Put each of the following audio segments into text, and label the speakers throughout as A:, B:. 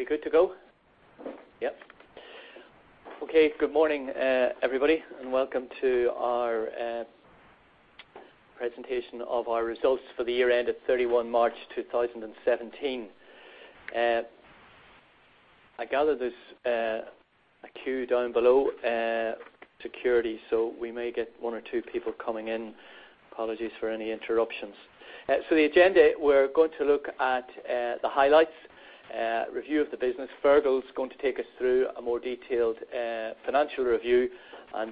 A: Are we good to go? Yep. Good morning, everybody, and welcome to our presentation of our results for the year end of 31 March 2017. I gather there is a queue down below security. We may get one or two people coming in. Apologies for any interruptions. The agenda, we are going to look at the highlights, review of the business. Fergal is going to take us through a more detailed financial review.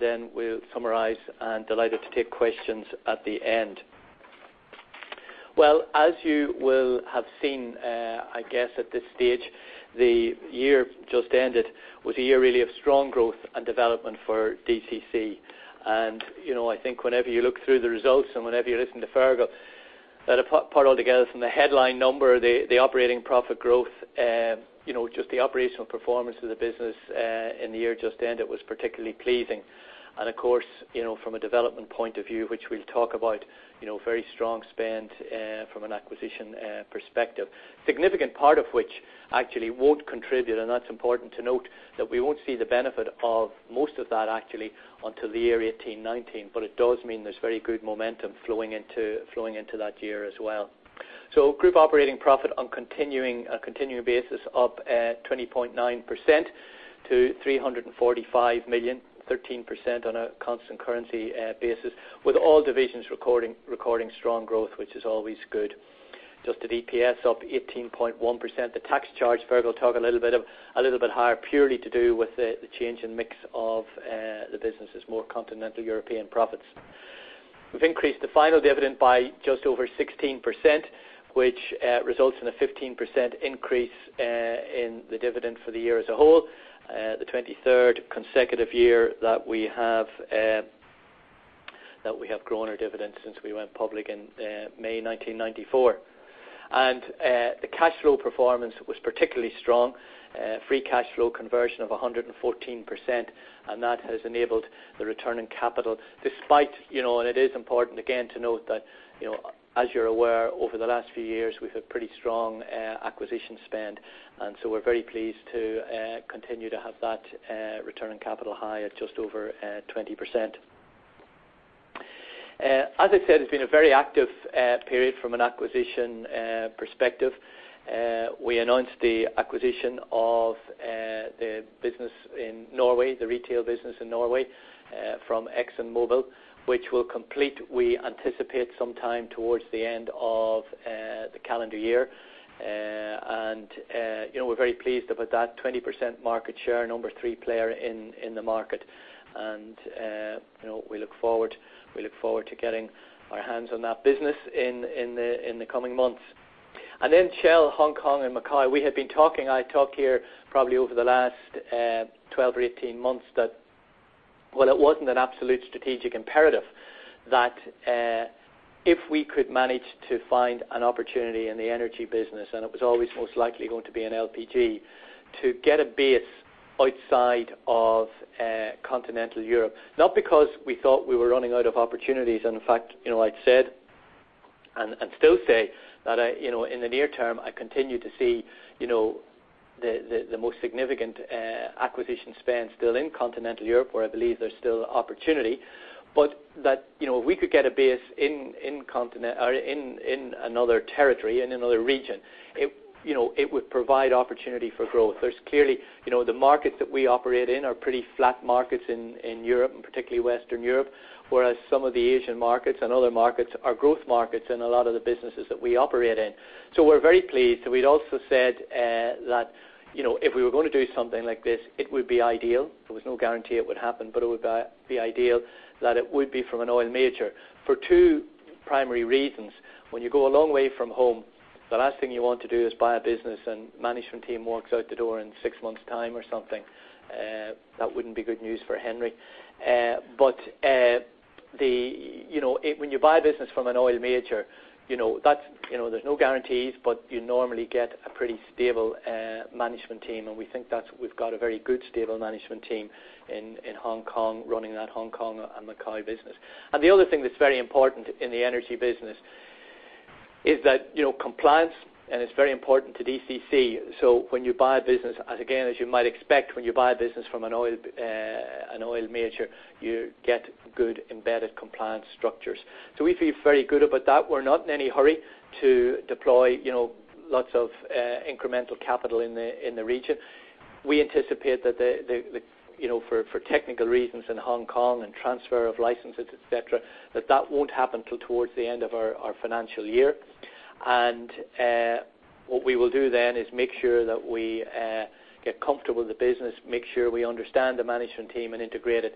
A: We will summarize and delighted to take questions at the end. As you will have seen, I guess, at this stage, the year just ended was a year really of strong growth and development for DCC. I think whenever you look through the results and whenever you listen to Fergal, that apart altogether from the headline number, the operating profit growth, just the operational performance of the business in the year just ended was particularly pleasing. Of course, from a development point of view, which we will talk about, very strong spend from an acquisition perspective. Significant part of which actually will not contribute. That is important to note that we will not see the benefit of most of that actually until the year FY '18, FY '19. It does mean there is very good momentum flowing into that year as well. Group operating profit on a continuing basis up 20.9% to 345 million, 13% on a Constant Currency basis, with all divisions recording strong growth, which is always good. Adjusted EPS up 18.1%. The tax charge, Fergal will talk a little bit of, a little bit higher purely to do with the change in mix of the business is more continental European profits. We have increased the final dividend by just over 16%, which results in a 15% increase in the dividend for the year as a whole, the 23rd consecutive year that we have grown our dividend since we went public in May 1994. The cash flow performance was particularly strong. Free cash flow conversion of 114%. That has enabled the return in capital despite, and it is important again to note that, as you are aware, over the last few years, we have had pretty strong acquisition spend. We are very pleased to continue to have that return on capital high at just over 20%. As I said, it has been a very active period from an acquisition perspective. We announced the acquisition of the business in Norway, the retail business in Norway, from ExxonMobil, which will complete, we anticipate, sometime towards the end of the calendar year. We are very pleased about that 20% market share, number 3 player in the market. We look forward to getting our hands on that business in the coming months. Shell Hong Kong and Macau. We have been talking, I talk here probably over the last 12 or 18 months that while it was not an absolute strategic imperative, that if we could manage to find an opportunity in the energy business, it was always most likely going to be an LPG, to get a base outside of continental Europe, not because we thought we were running out of opportunities. In fact, I'd said, and still say, that in the near term, I continue to see the most significant acquisition spend still in continental Europe, where I believe there's still opportunity. If we could get a base in another territory, in another region, it would provide opportunity for growth. There's clearly the markets that we operate in are pretty flat markets in Europe, and particularly Western Europe, whereas some of the Asian markets and other markets are growth markets in a lot of the businesses that we operate in. We're very pleased. We'd also said that if we were going to do something like this, it would be ideal. There was no guarantee it would happen, but it would be ideal that it would be from an oil major for two primary reasons. When you go a long way from home, the last thing you want to do is buy a business and management team walks out the door in six months time or something. That wouldn't be good news for Henry. When you buy a business from an oil major, there's no guarantees, but you normally get a pretty stable management team, and we think that we've got a very good, stable management team in Hong Kong running that Hong Kong and Macau business. The other thing that's very important in the energy business is that compliance, and it's very important to DCC. When you buy a business, again, as you might expect, when you buy a business from an oil major, you get good embedded compliance structures. We feel very good about that. We're not in any hurry to deploy lots of incremental capital in the region. We anticipate that for technical reasons in Hong Kong and transfer of licenses, et cetera, that that won't happen till towards the end of our financial year. What we will do then is make sure that we get comfortable with the business, make sure we understand the management team and integrate it.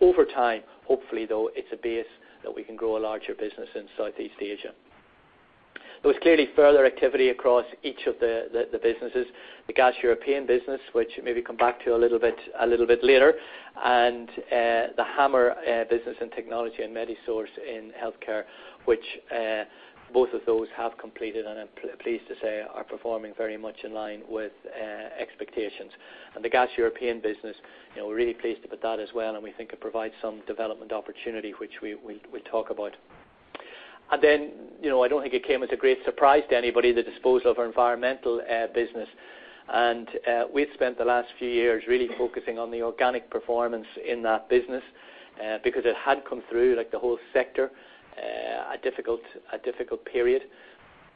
A: Over time, hopefully, though, it's a base that we can grow a larger business in Southeast Asia. There was clearly further activity across each of the businesses. The Gaz Européen business, which maybe come back to a little bit later, and the Hammer business and technology and Medisource in healthcare, which both of those have completed, and I'm pleased to say are performing very much in line with expectations. The Gaz Européen business, we're really pleased about that as well, and we think it provides some development opportunity, which we'll talk about. Then, I don't think it came as a great surprise to anybody, the disposal of our environmental business. We've spent the last few years really focusing on the organic performance in that business because it had come through, like the whole sector, a difficult period.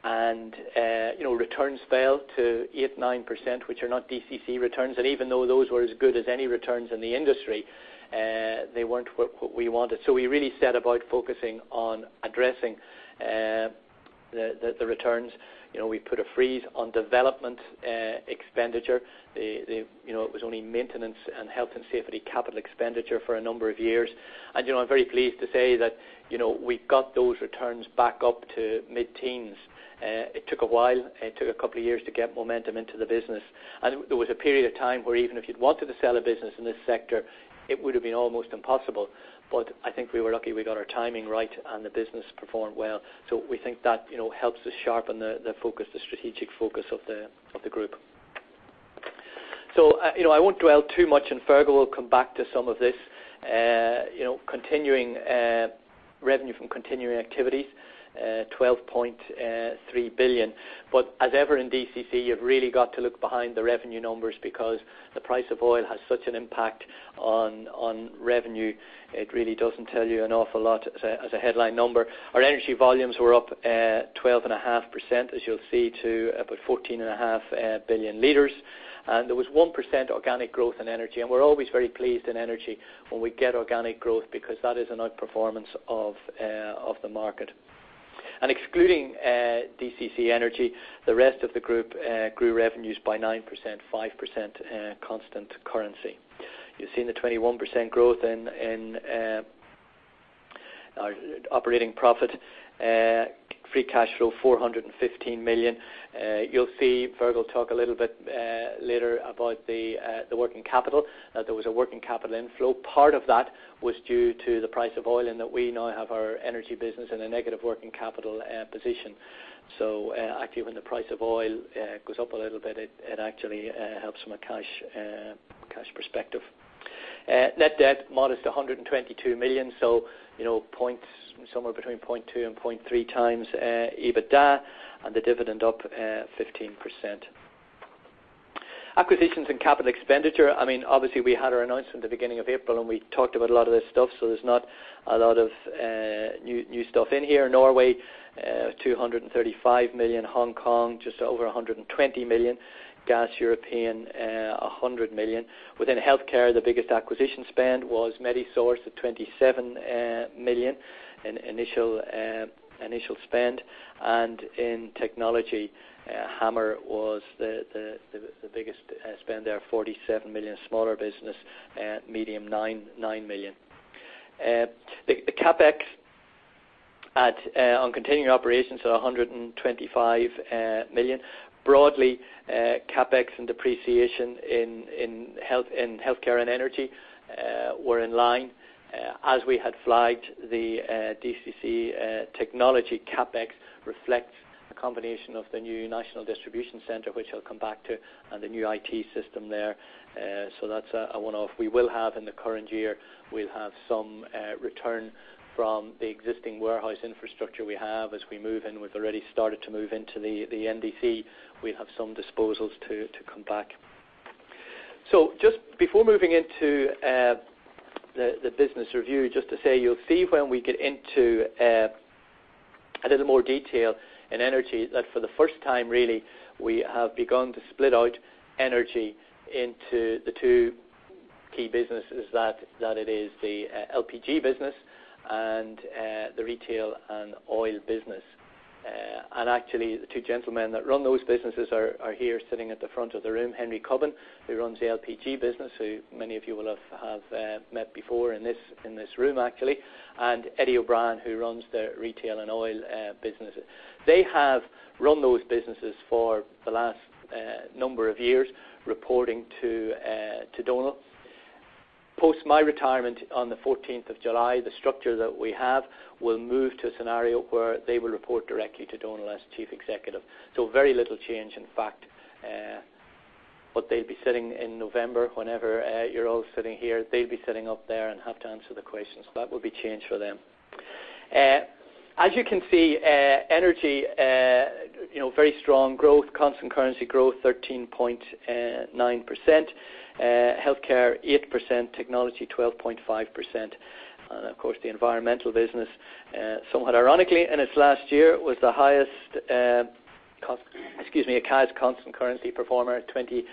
A: Returns fell to 8%-9%, which are not DCC returns. Even though those were as good as any returns in the industry, they weren't what we wanted. We really set about focusing on addressing the returns. We put a freeze on development expenditure. It was only maintenance and health and safety capital expenditure for a number of years. I'm very pleased to say that we got those returns back up to mid-teens. It took a while. It took a couple of years to get momentum into the business. There was a period of time where even if you'd wanted to sell a business in this sector, it would've been almost impossible. I think we were lucky we got our timing right, and the business performed well. We think that helps to sharpen the strategic focus of the group. I won't dwell too much, and Fergal will come back to some of this. Revenue from continuing activities, 12.3 billion. As ever in DCC, you've really got to look behind the revenue numbers because the price of oil has such an impact on revenue. It really doesn't tell you an awful lot as a headline number. Our energy volumes were up 12.5%, as you'll see, to about 14.5 billion liters. There was 1% organic growth in energy. We're always very pleased in energy when we get organic growth because that is an outperformance of the market. Excluding DCC Energy, the rest of the group grew revenues by 9%, 5% Constant Currency. You've seen the 21% growth in our operating profit. Free cash flow 415 million. You'll see Fergal talk a little bit later about the working capital, that there was a working capital inflow. Part of that was due to the price of oil and that we now have our energy business in a negative working capital position. Actually, when the price of oil goes up a little bit, it actually helps from a cash perspective. Net debt, modest 122 million, somewhere between 0.2 and 0.3 times EBITDA, and the dividend up 15%. Acquisitions and capital expenditure. Obviously, we had our announcement the beginning of April, and we talked about a lot of this stuff, there's not a lot of new stuff in here. Norway, 235 million. Hong Kong, just over 120 million. Gaz Européen, 100 million. Within healthcare, the biggest acquisition spend was Medisource at 27 million in initial spend. In technology, Hammer was the biggest spend there, 47 million. Smaller business, Medium, 9 million. The CapEx on continuing operations at 125 million. Broadly, CapEx and depreciation in healthcare and energy were in line. As we had flagged, the DCC Technology CapEx reflects a combination of the new national distribution center, which I'll come back to, and the new IT system there. That's a one-off. We will have, in the current year, we'll have some return from the existing warehouse infrastructure we have as we move in. We've already started to move into the NDC. We'll have some disposals to come back. Just before moving into the business review, just to say, you'll see when we get into a little more detail in energy, that for the first time really, we have begun to split out energy into the two key businesses that it is, the LPG business and the retail and oil business. Actually, the two gentlemen that run those businesses are here sitting at the front of the room. Henry Boulger, who runs the LPG business, who many of you will have met before in this room, actually. Ciaran O'Brien, who runs the retail and oil business. They have run those businesses for the last number of years, reporting to Donal. Post my retirement on the 14th of July, the structure that we have will move to a scenario where they will report directly to Donal as Chief Executive. Very little change, in fact. They'll be sitting in November, whenever you're all sitting here, they'll be sitting up there and have to answer the questions. That will be change for them. As you can see, DCC Energy very strong growth, constant currency growth, 13.9%. Healthcare, 8%, DCC Technology, 12.5%. Of course, the environmental business, somewhat ironically, in its last year, was the highest [inaudible] constant currency performer at 22%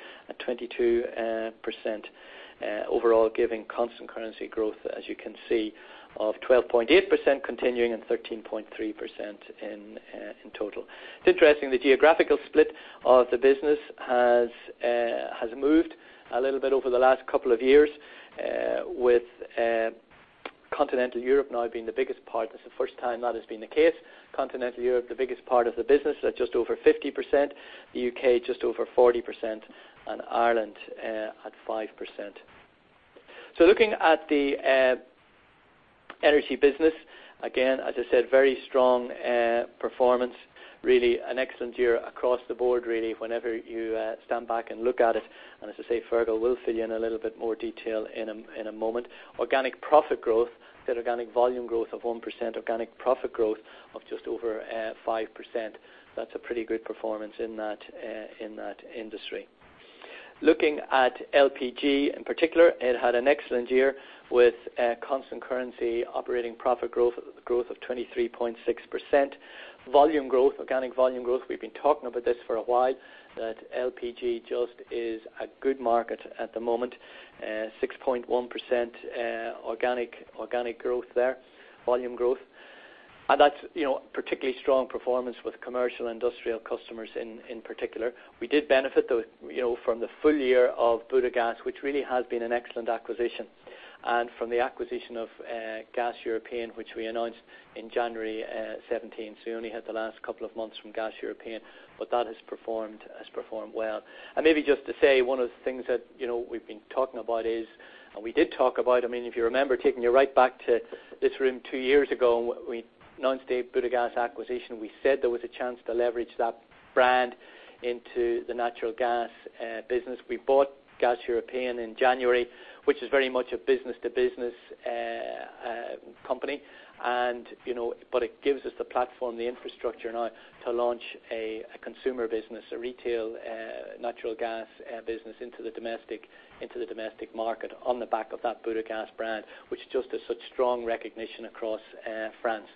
A: overall, giving constant currency growth, as you can see, of 12.8% continuing and 13.3% in total. It's interesting, the geographical split of the business has moved a little bit over the last couple of years, with Continental Europe now being the biggest part. That's the first time that has been the case. Continental Europe, the biggest part of the business at just over 50%, the U.K. just over 40%, and Ireland at 5%. Looking at the DCC Energy business, again, as I said, very strong performance. Really an excellent year across the board, really, whenever you stand back and look at it. As I say, Fergal will fill you in a little bit more detail in a moment. Organic profit growth, that organic volume growth of 1%, organic profit growth of just over 5%. That's a pretty good performance in that industry. Looking at LPG in particular, it had an excellent year with constant currency operating profit growth of 23.6%. Volume growth, organic volume growth, we've been talking about this for a while, that LPG just is a good market at the moment. 6.1% organic growth there, volume growth. That's particularly strong performance with commercial industrial customers in particular. We did benefit, though, from the full year of Butagaz, which really has been an excellent acquisition. From the acquisition of Gaz Européen, which we announced in January 2017, so we only had the last couple of months from Gaz Européen, but that has performed well. Maybe just to say, one of the things that we've been talking about is, we did talk about, if you remember, taking you right back to this room two years ago, we announced the Butagaz acquisition. We said there was a chance to leverage that brand into the natural gas business. We bought Gaz Européen in January, which is very much a B2B company. It gives us the platform, the infrastructure now to launch a consumer business, a retail natural gas business into the domestic market on the back of that Butagaz brand, which just has such strong recognition across France.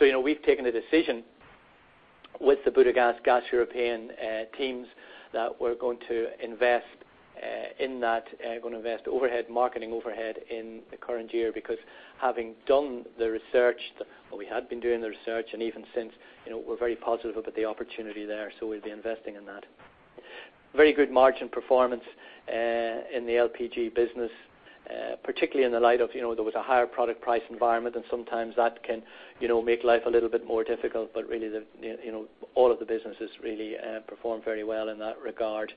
A: We've taken a decision with the Butagaz Gaz Européen teams that we're going to invest overhead marketing overhead in the current year, because having done the research, or we had been doing the research, and even since, we're very positive about the opportunity there, so we'll be investing in that. Very good margin performance, in the LPG business, particularly in the light of, there was a higher product price environment, and sometimes that can make life a little bit more difficult. Really all of the businesses really performed very well in that regard.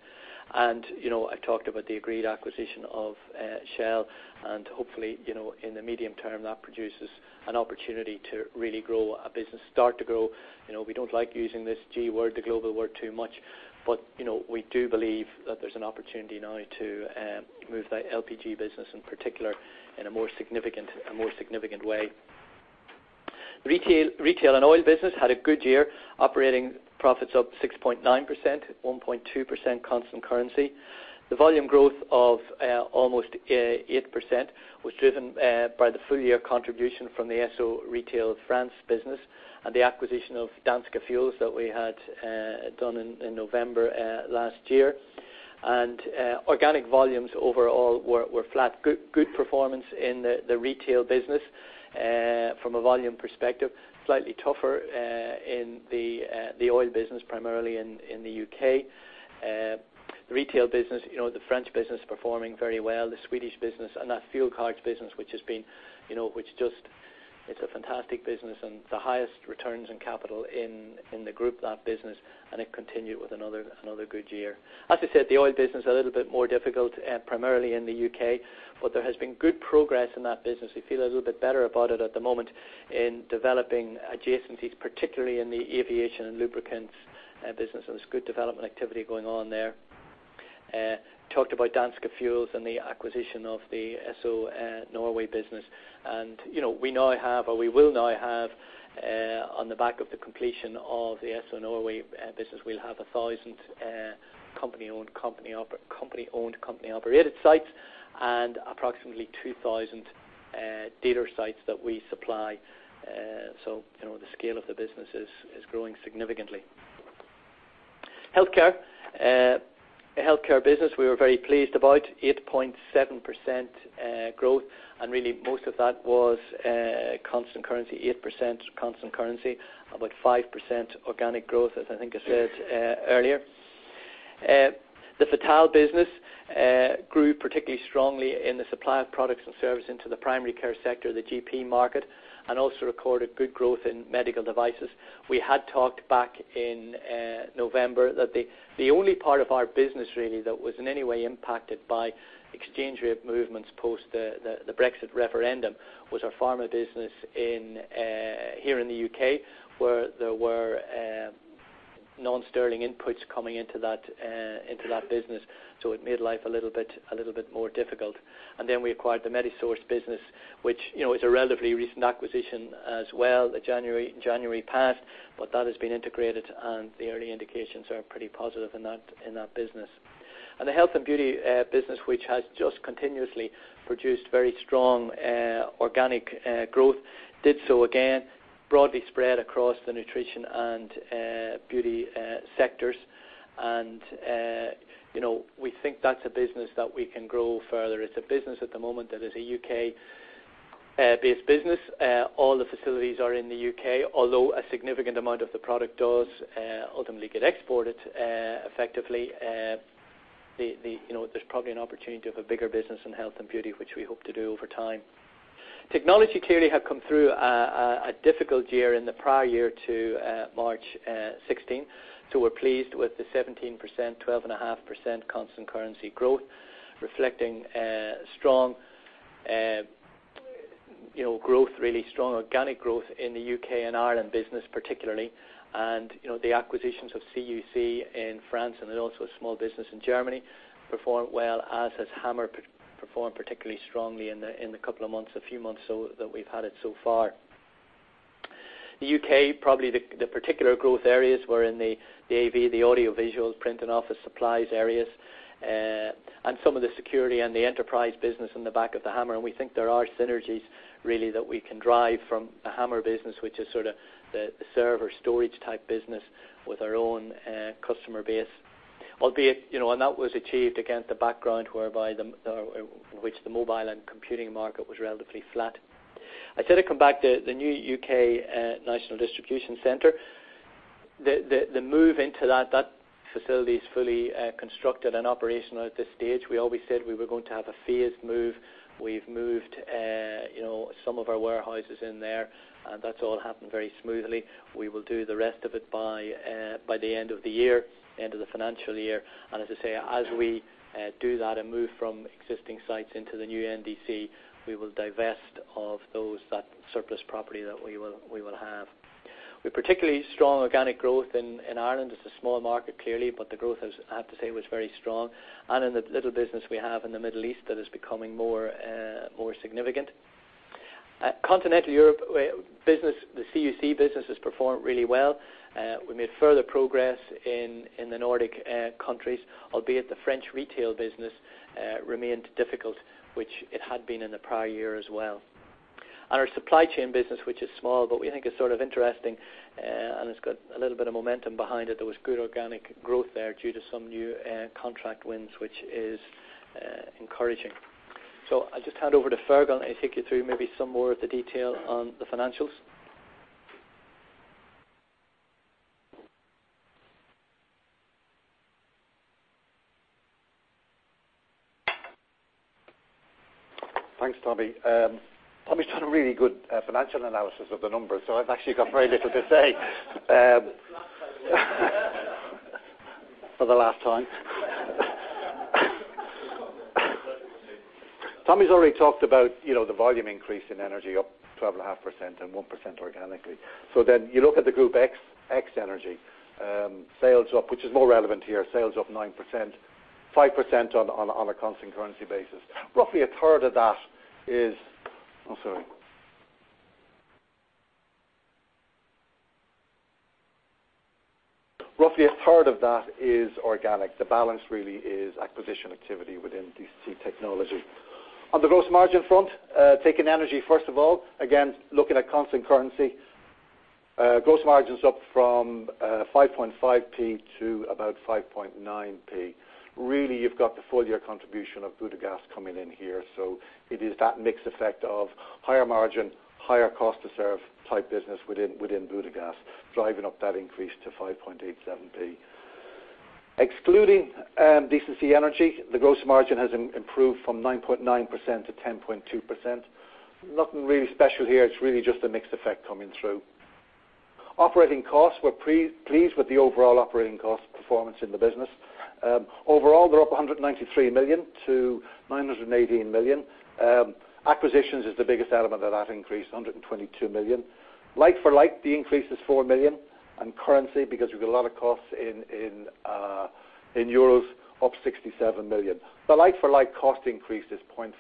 A: I've talked about the agreed acquisition of Shell. Hopefully, in the medium term, that produces an opportunity to really grow a business, start to grow. We don't like using this G word, the global word, too much. We do believe that there's an opportunity now to move the LPG business, in particular, in a more significant way. Retail and oil business had a good year. Operating profits up 6.9%, 1.2% Constant Currency. The volume growth of almost 8% was driven by the full-year contribution from the Esso Retail France business and the acquisition of Dansk Fuels that we had done in November last year. Organic volumes overall were flat. Good performance in the retail business from a volume perspective. Slightly tougher in the oil business, primarily in the U.K. The retail business, the French business performing very well, the Swedish business and that fuel cards business, which it's a fantastic business and the highest returns in capital in the group, that business. It continued with another good year. As I said, the oil business, a little bit more difficult, primarily in the U.K. There has been good progress in that business. We feel a little bit better about it at the moment in developing adjacencies, particularly in the aviation and lubricants business. There's good development activity going on there. Talked about Dansk Fuels and the acquisition of the Esso Norway business. We now have, or we will now have, on the back of the completion of the Esso Norway business, we'll have 1,000 company-owned, company-operated sites and approximately 2,000 dealer sites that we supply. The scale of the business is growing significantly. Healthcare. The healthcare business, we were very pleased about 8.7% growth. Really most of that was Constant Currency, 8% Constant Currency, about 5% organic growth, as I think I said earlier. The Fittle business grew particularly strongly in the supply of products and service into the primary care sector, the GP market, and also recorded good growth in medical devices. We had talked back in November that the only part of our business really that was in any way impacted by exchange rate movements post the Brexit referendum was our pharma business here in the U.K., where there were non-sterling inputs coming into that business, so it made life a little bit more difficult. Then we acquired the Medisource business, which is a relatively recent acquisition as well, January past. That has been integrated, and the early indications are pretty positive in that business. The health and beauty business, which has just continuously produced very strong organic growth, did so again, broadly spread across the nutrition and beauty sectors. We think that's a business that we can grow further. It's a business at the moment that is a U.K.-based business. All the facilities are in the U.K., although a significant amount of the product does ultimately get exported effectively. There's probably an opportunity of a bigger business in health and beauty, which we hope to do over time. Technology clearly have come through a difficult year in the prior year to March 2016. We're pleased with the 17%, 12.5% Constant Currency growth, reflecting strong growth, really strong organic growth in the U.K. and Ireland business particularly. The acquisitions of CUC in France, then also a small business in Germany, performed well, as has Hammer performed particularly strongly in the couple of months, a few months or so that we've had it so far. The U.K., probably the particular growth areas were in the AV, the audiovisual, print, and office supplies areas, some of the security and the enterprise business in the back of the Hammer, and we think there are synergies really that we can drive from the Hammer business, which is sort of the server storage type business with our own customer base. Albeit, that was achieved against the background whereby which the mobile and computing market was relatively flat. I said I'd come back to the new U.K. National Distribution Center. The move into that facility is fully constructed and operational at this stage. We always said we were going to have a phased move. We've moved some of our warehouses in there, and that's all happened very smoothly. We will do the rest of it by the end of the year, end of the financial year. As I say, as we do that and move from existing sites into the new NDC, we will divest of that surplus property that we will have. We've particularly strong organic growth in Ireland. It's a small market, clearly, but the growth is, I have to say, was very strong. In the little business we have in the Middle East, that is becoming more significant. Continental Europe business, the CUC business has performed really well. We made further progress in the Nordic countries, albeit the French retail business remained difficult, which it had been in the prior year as well. Our supply chain business, which is small, but we think is sort of interesting, and it's got a little bit of momentum behind it. There was good organic growth there due to some new contract wins, which is encouraging. I'll just hand over to Fergal, he'll take you through maybe some more of the detail on the financials.
B: Thanks, Tommy. Tommy's done a really good financial analysis of the numbers, I've actually got very little to say.
A: For the last time.
B: You look at the group X energy, sales up, which is more relevant here, sales up 9%, 5% on a Constant Currency basis. Roughly a third of that is organic. The balance really is acquisition activity within DCC Technology. On the gross margin front, taking energy first of all, again, looking at Constant Currency, gross margin's up from 0.055 to about 0.059. Really, you've got the full-year contribution of Butagaz coming in here, so it is that mixed effect of higher margin, higher cost to serve type business within Butagaz driving up that increase to 0.0587. Excluding DCC Energy, the gross margin has improved from 9.9% to 10.2%. Nothing really special here. It's really just a mixed effect coming through. Operating costs. We're pleased with the overall operating cost performance in the business. Overall, they're up 193 million to 918 million. Acquisitions is the biggest element of that increase, 122 million. Like for like, the increase is 4 million, and currency because we've got a lot of costs in EUR, up 67 million euros. The like-for-like cost increase is 0.5%,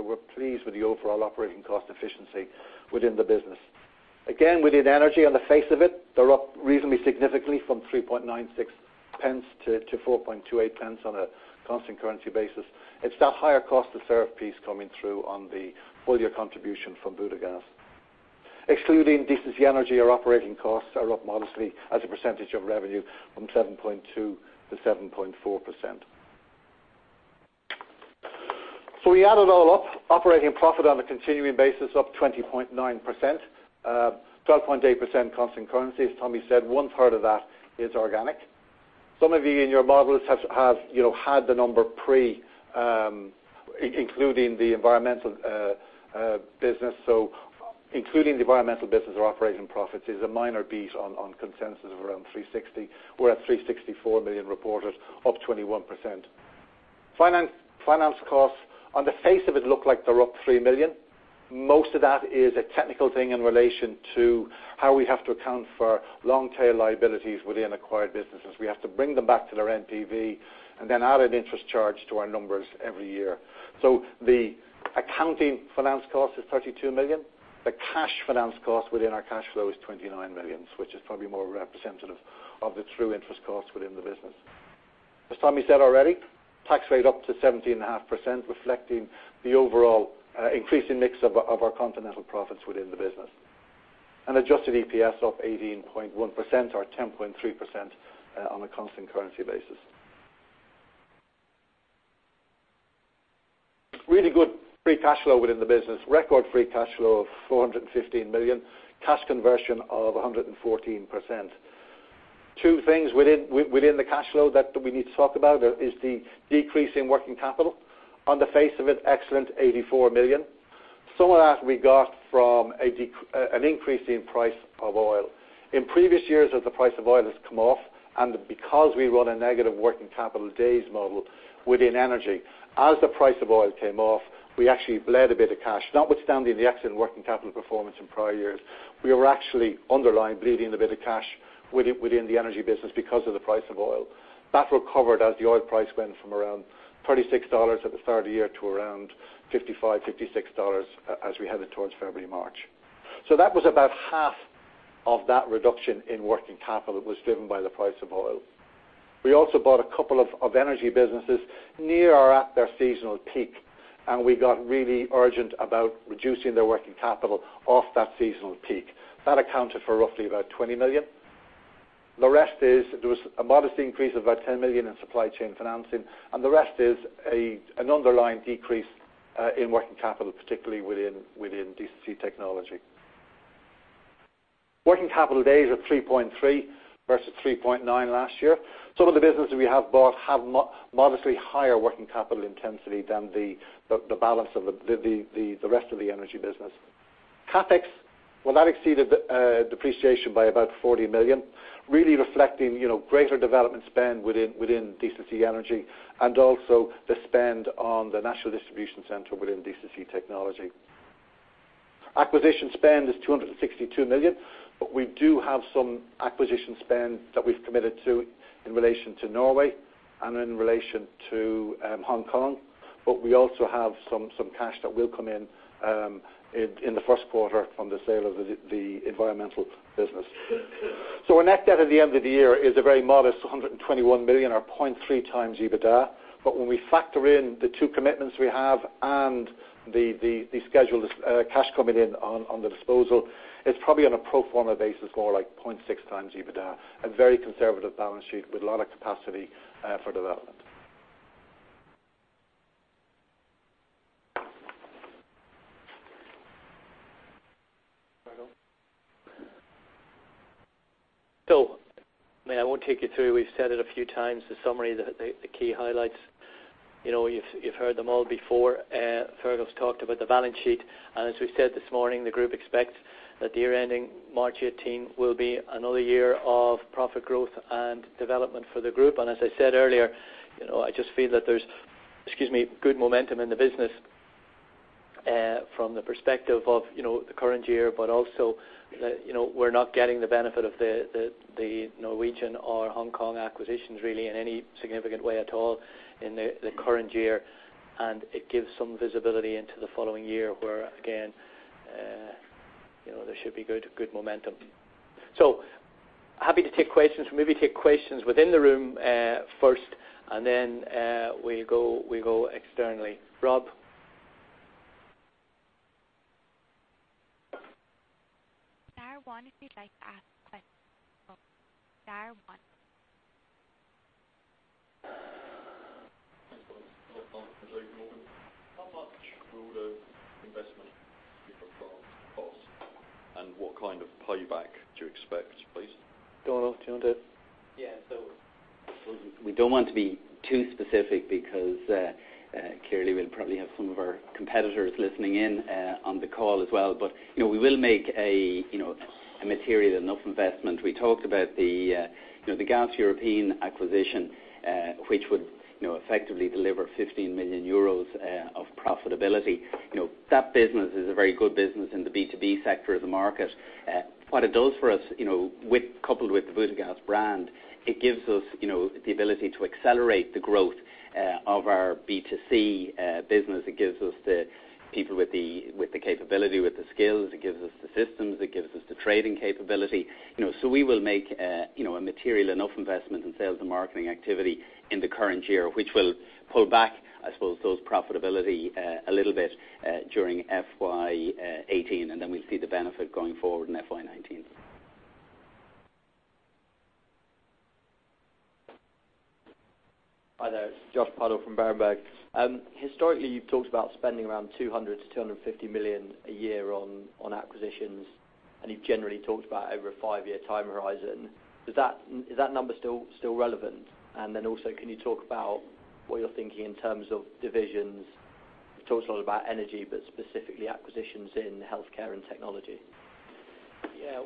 B: we're pleased with the overall operating cost efficiency within the business. Again, within energy on the face of it, they're up reasonably significantly from 0.0396 to 0.0428 on a Constant Currency basis. It's that higher cost to serve piece coming through on the full-year contribution from Butagaz. Excluding DCC Energy, our operating costs are up modestly as a percentage of revenue from 7.2% to 7.4%. We add it all up. Operating profit on a continuing basis up 20.9%, 12.8% Constant Currency. As Tommy said, one third of that is organic. Some of you in your models have had the number pre including the environmental business. Including the environmental business, our operating profits is a minor beat on consensus of around 360 million. We're at 364 million reported, up 21%. Finance costs on the face of it look like they're up 3 million. Most of that is a technical thing in relation to how we have to account for long-tail liabilities within acquired businesses. We have to bring them back to their NPV and then add an interest charge to our numbers every year. The accounting finance cost is 32 million. The cash finance cost within our cash flow is 29 million, which is probably more representative of the true interest cost within the business. As Tommy said already, tax rate up to 17.5%, reflecting the overall increasing mix of our continental profits within the business. Adjusted EPS up 18.1% or 10.3% on a Constant Currency basis. Really good free cash flow within the business. Record free cash flow of 415 million. Cash conversion of 114%. Two things within the cash flow that we need to talk about is the decrease in working capital. On the face of it, excellent, 84 million. Some of that we got from an increase in price of oil. In previous years as the price of oil has come off, and because we run a negative working capital days model within DCC Energy, as the price of oil came off, we actually bled a bit of cash. Notwithstanding the excellent working capital performance in prior years, we were actually underlying bleeding a bit of cash within the DCC Energy business because of the price of oil. That recovered as the oil price went from around $36 at the start of the year to around $55, $56 as we headed towards February, March. That was about half of that reduction in working capital that was driven by the price of oil. We also bought a couple of DCC Energy businesses near or at their seasonal peak, and we got really urgent about reducing their working capital off that seasonal peak. That accounted for roughly about 20 million. The rest is, there was a modest increase of about 10 million in supply chain financing, and the rest is an underlying decrease in working capital, particularly within DCC Technology. Working capital days are 3.3 versus 3.9 last year. Some of the businesses we have bought have modestly higher working capital intensity than the balance of the rest of the DCC Energy business. CapEx, well, that exceeded depreciation by about 40 million, really reflecting greater development spend within DCC Energy, and also the spend on the national distribution center within DCC Technology. Acquisition spend is 262 million, but we do have some acquisition spend that we've committed to in relation to Norway and in relation to Hong Kong. We also have some cash that will come in the first quarter from the sale of the environmental business. Our net debt at the end of the year is a very modest 121 million, or 0.3 times EBITDA. When we factor in the two commitments we have and the scheduled cash coming in on the disposal, it's probably on a pro forma basis, more like 0.6 times EBITDA. A very conservative balance sheet with a lot of capacity for development.
A: Fergal. I won't take you through, we've said it a few times, the summary, the key highlights. You've heard them all before. Fergal's talked about the balance sheet, and as we said this morning, the group expects that the year ending March 2018 will be another year of profit growth and development for the group. As I said earlier, I just feel that there's, excuse me, good momentum in the business, from the perspective of the current year, but also that we're not getting the benefit of the Norwegian or Hong Kong acquisitions, really, in any significant way at all in the current year. It gives some visibility into the following year, where again, there should be good momentum. Happy to take questions. Maybe take questions within the room first, and then we go externally. Rob?
C: Star one if you'd like to ask a question. Star one.
D: Thanks, Donal. How much broader investment do you require to cost, and what kind of payback do you expect, please?
A: Donal, do you want to?
E: Yeah. We don't want to be too specific because clearly we'll probably have some of our competitors listening in on the call as well. We will make a material enough investment. We talked about the Gaz Européen acquisition, which would effectively deliver 15 million euros of profitability. That business is a very good business in the B2B sector of the market. What it does for us, coupled with the Butagaz brand, it gives us the ability to accelerate the growth of our B2C business. It gives us the people with the capability, with the skills, it gives us the systems, it gives us the trading capability. We will make a material enough investment in sales and marketing activity in the current year, which will pull back, I suppose, those profitability a little bit during FY 2018, and then we'll see the benefit going forward in FY 2019.
F: Hi there. It's Josh Puddle from Berenberg. Historically, you've talked about spending around 200 million-250 million a year on acquisitions, you've generally talked about over a five-year time horizon. Is that number still relevant? Can you talk about what you're thinking in terms of divisions? You've talked a lot about Energy, specifically acquisitions in Healthcare and Technology.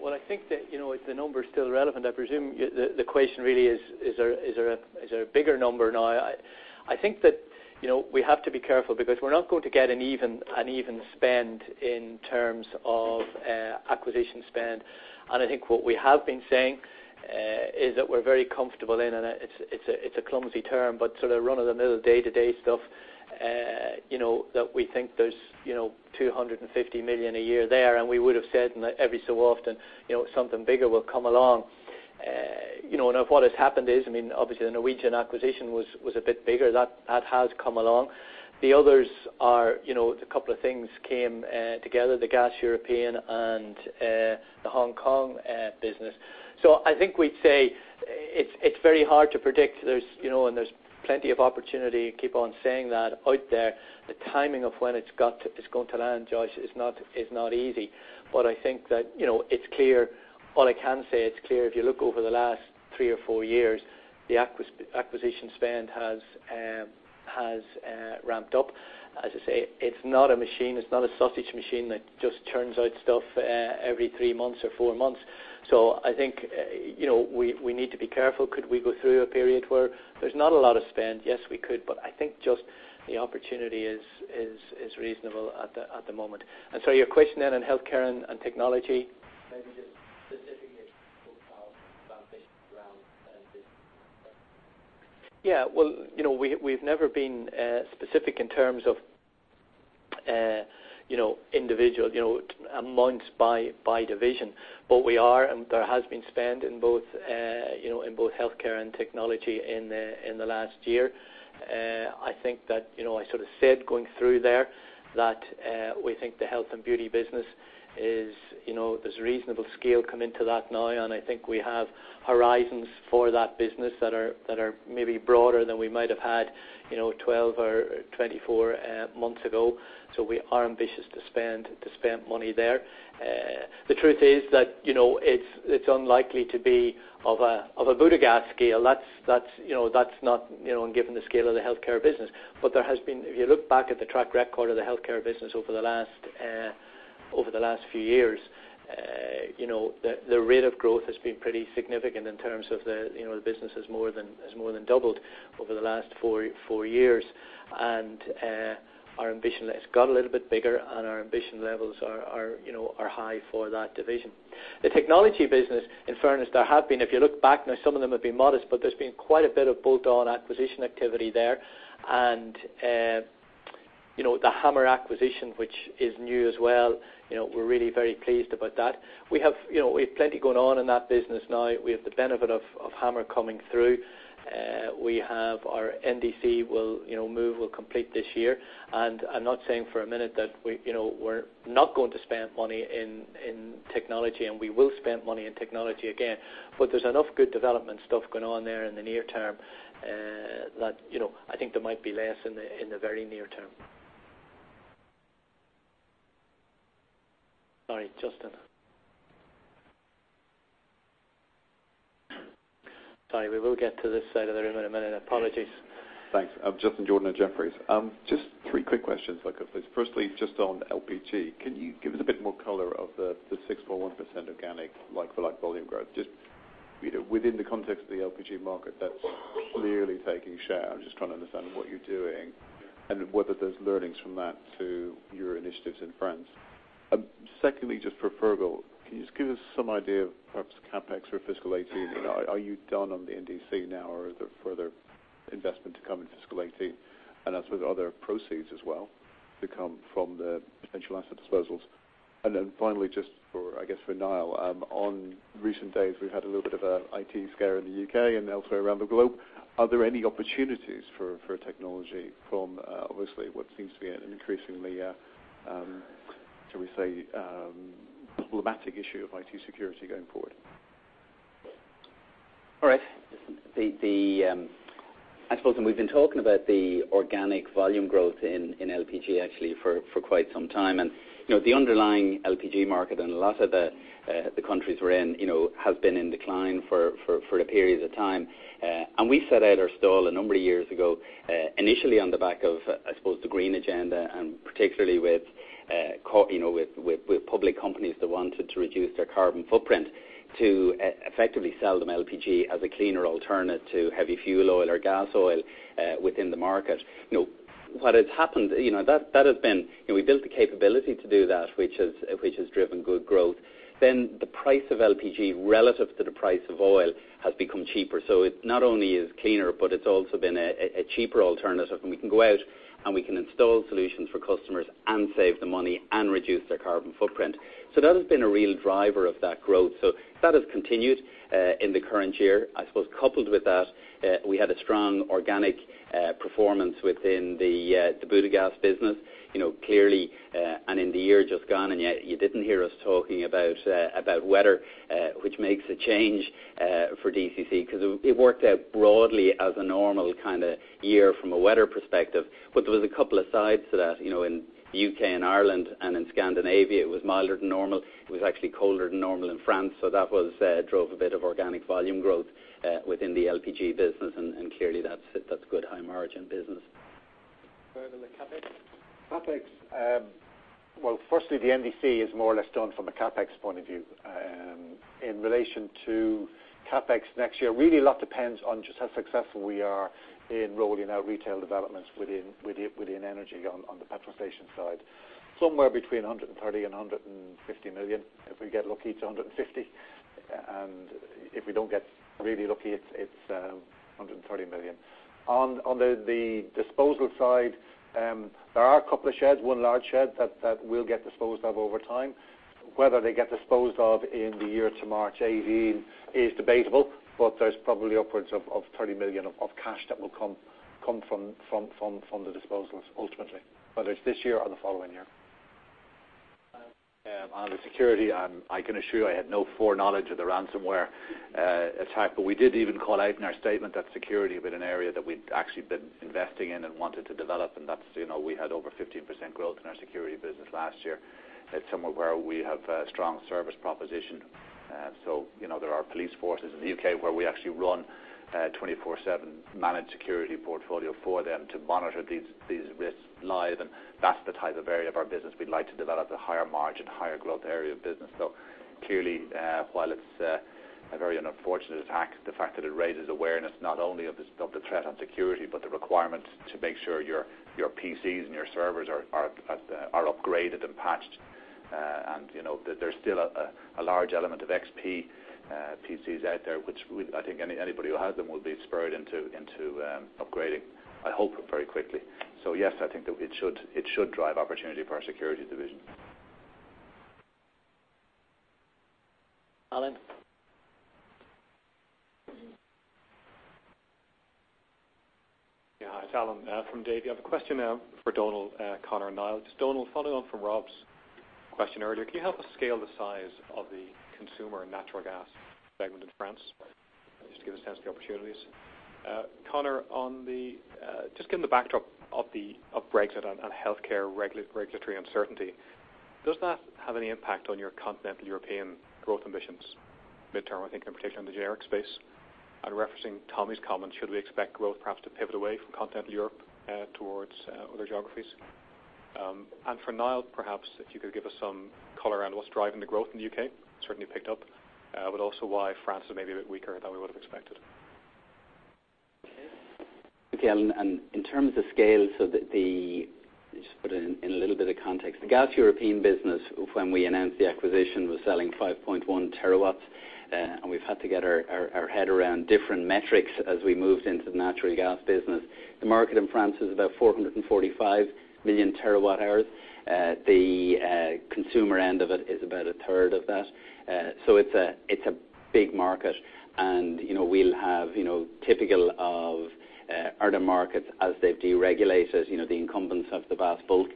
A: I think that the number is still relevant. I presume the question really is there a bigger number now? I think that we have to be careful because we're not going to get an even spend in terms of acquisition spend. I think what we have been saying is that we're very comfortable in, and it's a clumsy term, but sort of run-of-the-mill day-to-day stuff, that we think there's 250 million a year there, and we would have said every so often something bigger will come along. If what has happened is, obviously the Norwegian acquisition was a bit bigger. That has come along. The others are, a couple of things came together, the Gaz Européen and the Hong Kong business. I think we'd say it's very hard to predict, and there's plenty of opportunity, keep on saying that out there. The timing of when it's going to land, Josh, is not easy. I think that it's clear. All I can say, it's clear if you look over the last three or four years, the acquisition spend has ramped up. As I say, it's not a machine, it's not a sausage machine that just churns out stuff every three months or four months. I think we need to be careful. Could we go through a period where there's not a lot of spend? Yes, we could. I think just the opportunity is reasonable at the moment. Your question then on Healthcare and Technology-
E: Maybe just specifically
A: Well, we've never been specific in terms of individual amounts by division. We are, and there has been spend in both healthcare and technology in the last year. I think that I sort of said going through there that we think the health and beauty business, there's a reasonable scale coming to that now, and I think we have horizons for that business that are maybe broader than we might have had 12 or 24 months ago. We are ambitious to spend money there. The truth is that it's unlikely to be of a Butagaz scale. That's not given the scale of the healthcare business. If you look back at the track record of the healthcare business over the last few years, the rate of growth has been pretty significant in terms of the business has more than doubled over the last four years. Our ambition has got a little bit bigger, and our ambition levels are high for that division. The technology business, in fairness, there have been, if you look back now, some of them have been modest, but there's been quite a bit of bolt-on acquisition activity there. The Hammer acquisition, which is new as well, we're really very pleased about that. We have plenty going on in that business now. We have the benefit of Hammer coming through. We have our NDC will complete this year. I'm not saying for a minute that we're not going to spend money in technology, and we will spend money in technology again, but there's enough good development stuff going on there in the near term that I think there might be less in the very near term. Sorry, Justin. Sorry, we will get to this side of the room in a minute. Apologies.
G: Thanks. Justin Jordan at Jefferies. Just three quick questions if I could please. Firstly, just on LPG, can you give us a bit more color of the 6.1% organic like-for-like volume growth? Just within the context of the LPG market, that's clearly taking share. I'm just trying to understand what you're doing and whether there's learnings from that to your initiatives in France. Secondly, just for Fergal, can you just give us some idea of perhaps CapEx for FY 2018? Are you done on the NDC now, or are there further investment to come in FY 2018? As with other proceeds as well that come from the potential asset disposals. Then finally, just for, I guess, for Niall. On recent days, we've had a little bit of a IT scare in the U.K. and elsewhere around the globe. Are there any opportunities for technology from, obviously, what seems to be an increasingly, shall we say, problematic issue of IT security going forward?
A: All right. I suppose, we've been talking about the organic volume growth in LPG actually for quite some time. The underlying LPG market in a lot of the countries we're in has been in decline for a period of time. We set out our stall a number of years ago, initially on the back of, I suppose, the green agenda, and particularly with public companies that wanted to reduce their carbon footprint, to effectively sell them LPG as a cleaner alternative to heavy fuel oil or gas oil within the market. What has happened, we built the capability to do that, which has driven good growth. The price of LPG relative to the price of oil has become cheaper. It not only is cleaner, but it's also been a cheaper alternative, and we can go out, and we can install solutions for customers and save them money and reduce their carbon footprint. That has been a real driver of that growth. That has continued in the current year. I suppose coupled with that, we had a strong organic performance within the Butagaz business, clearly, and in the year just gone, and yet you didn't hear us talking about weather, which makes a change for DCC because it worked out broadly as a normal kind of year from a weather perspective. There was a couple of sides to that. In U.K. and Ireland and in Scandinavia, it was milder than normal. It was actually colder than normal in France. That drove a bit of organic volume growth within the LPG business, and clearly that's good high-margin business. Fergal on the CapEx?
B: Firstly, the NDC is more or less done from a CapEx point of view. In relation to CapEx next year, a lot depends on just how successful we are in rolling out retail developments within DCC Energy on the petrol station side. Somewhere between 130 million and 150 million. If we get lucky, it's 150 million, and if we don't get really lucky, it's 130 million. On the disposal side, there are a couple of sheds, one large shed, that we'll get disposed of over time. Whether they get disposed of in the year to March 2018 is debatable, there's probably upwards of 30 million of cash that will come from the disposals ultimately, whether it's this year or the following year.
A: On the security, I can assure you I had no foreknowledge of the ransomware attack, we did even call out in our statement that security had been an area that we'd actually been investing in and wanted to develop, that's we had over 15% growth in our security business last year. It's somewhere where we have a strong service proposition. There are police forces in the U.K. where we actually run a 24/7 managed security portfolio for them to monitor these risks live, that's the type of area of our business we'd like to develop, the higher margin, higher growth area of business. Clearly, while it's a very unfortunate attack, the fact that it raises awareness not only of the threat on security, but the requirement to make sure your PCs and your servers are upgraded and patched
H: There's still a large element of Windows XP PCs out there, which I think anybody who has them will be spurred into upgrading, I hope very quickly. Yes, I think that it should drive opportunity for our security division.
A: Alan?
I: Hi, it's Alan from Davy. I have a question now for Donal, Conor, and Niall. Donal, following on from Rob's question earlier, can you help us scale the size of the consumer and natural gas segment in France? To give us a sense of the opportunities. Conor, given the backdrop of Brexit and healthcare regulatory uncertainty, does that have any impact on your continental European growth ambitions? Mid-term, I think in particular in the generic space. Referencing Tommy's comment, should we expect growth perhaps to pivot away from continental Europe, towards other geographies? For Niall, perhaps if you could give us some color around what's driving the growth in the U.K., certainly picked up, but also why France is maybe a bit weaker than we would've expected.
E: Okay, Alan, In terms of scale, just put it in a little bit of context. The Gaz Européen business, when we announced the acquisition, was selling 5.1 terawatt-hours, and we've had to get our head around different metrics as we moved into the natural gas business. The market in France is about 445 million terawatt-hours. The consumer end of it is about a third of that. It's a big market and we'll have typical of other markets as they've deregulated, the incumbents have the vast bulk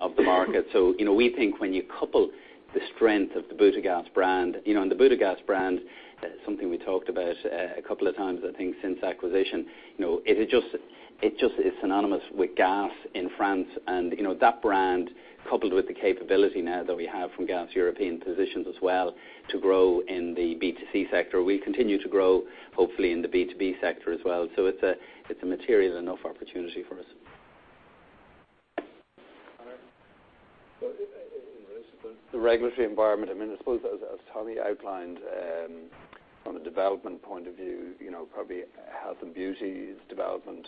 E: of the market. We think when you couple the strength of the Butagaz brand, and the Butagaz brand, something we talked about a couple of times, I think since acquisition.
H: It just is synonymous with gas in France. That brand coupled with the capability now that we have from Gaz Européen positions as well, to grow in the B2C sector. We continue to grow, hopefully in the B2B sector as well. It's a material enough opportunity for us.
A: Conor?
J: In respect to the regulatory environment, I suppose as Tommy outlined from a development point of view, probably health and beauty is development,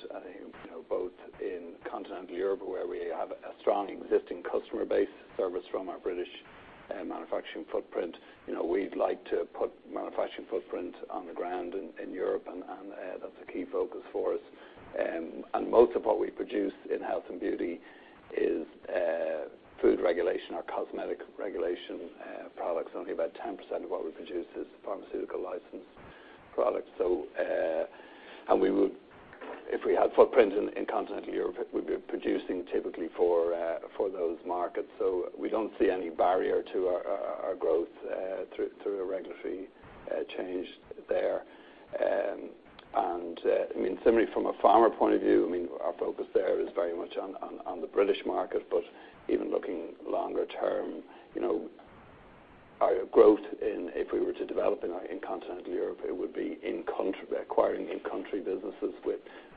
J: both in continental Europe where we have a strong existing customer base service from our U.K. manufacturing footprint. We'd like to put manufacturing footprint on the ground in Europe. That's a key focus for us. Most of what we produce in health and beauty is food regulation or cosmetic regulation products. Only about 10% of what we produce is pharmaceutical licensed products. If we had footprint in continental Europe, we'd be producing typically for those markets. We don't see any barrier to our growth through a regulatory change there. Similarly from a pharma point of view, our focus there is very much on the U.K. market. Even looking longer term, our growth, if we were to develop in continental Europe, it would be acquiring in-country businesses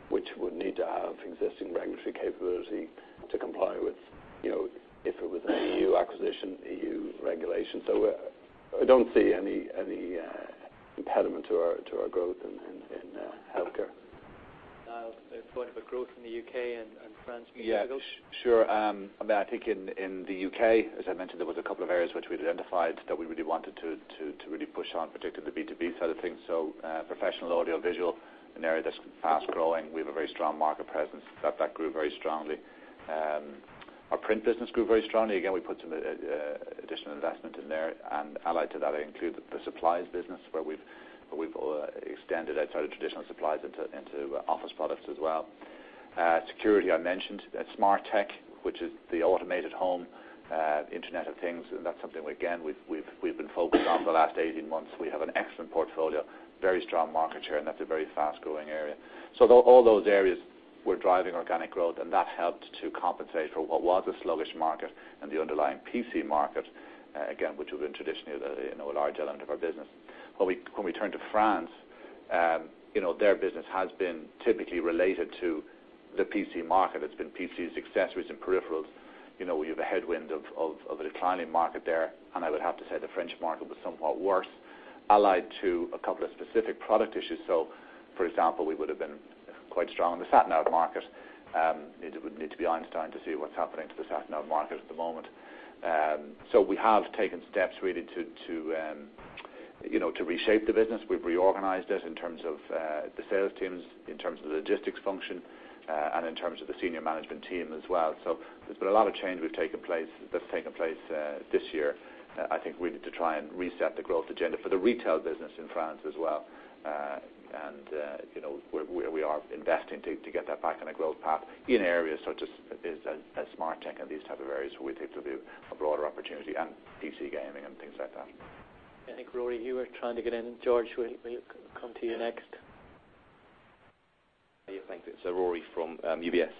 J: which would need to have existing regulatory capability to comply with, if it was an EU acquisition, EU regulation. I don't see any impediment to our growth in healthcare.
A: Niall, you've talked about growth in the U.K. and France being difficult.
H: Yeah, sure. I think in the U.K., as I mentioned, there was a couple of areas which we'd identified that we really wanted to really push on, particularly the B2B side of things. Professional audio visual, an area that's fast-growing. We have a very strong market presence. That grew very strongly. Our print business grew very strongly. Again, we put some additional investment in there. Allied to that, I include the supplies business where we've extended outside of traditional supplies into office products as well. Security, I mentioned. Smartech, which is the automated home, internet of things, and that's something, again, we've been focused on for the last 18 months. We have an excellent portfolio, very strong market share, and that's a very fast-growing area. All those areas were driving organic growth, and that helped to compensate for what was a sluggish market in the underlying PC market, again, which had been traditionally a large element of our business. When we turn to France, their business has been typically related to the PC market. It's been PCs, accessories, and peripherals. We have a headwind of the declining market there, and I would have to say the French market was somewhat worse, allied to a couple of specific product issues. For example, we would've been quite strong in the sat nav market. You would need to be Einstein to see what's happening to the sat nav market at the moment. We have taken steps really to reshape the business. We've reorganized it in terms of the sales teams, in terms of the logistics function, and in terms of the senior management team as well. I think we need to try and reset the growth agenda for the retail business in France as well. We are investing to get that back on a growth path in areas such as Smartech and these type of areas where we think there'll be a broader opportunity, and PC gaming and things like that.
A: I think, Rory, you were trying to get in, and George, we'll come to you next.
K: Yeah, thanks. It's Rory from UBS.